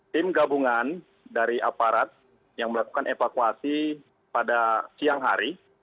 tim gabungan dari aparat yang melakukan evakuasi pada siang hari